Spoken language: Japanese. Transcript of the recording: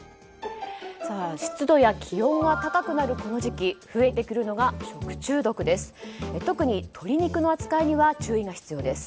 湿度や気温が高くなるこの時期増えてくるのが食中毒です。